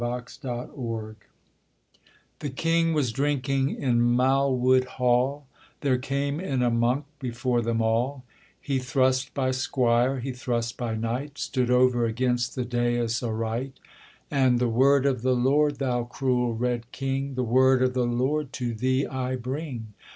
THE RED KING The King was drinking in Malwood Hall, There came in a monk before them all: He thrust by squire, he thrust by knight, Stood over against the dais aright; And, 'The word of the Lord, thou cruel Red King, The word of the Lord to thee I bring.